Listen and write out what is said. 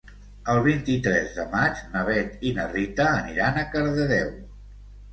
El vint-i-tres de maig na Bet i na Rita aniran a Cardedeu.